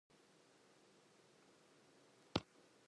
Most of their churches were confiscated or demolished.